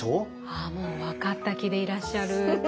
ああもう分かった気でいらっしゃる？